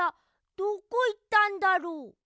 どこいったんだろう。